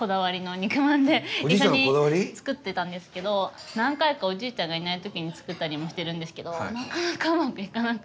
一緒に作ってたんですけど何回かおじいちゃんがいない時に作ったりもしてるんですけどなかなかうまくいかなくて。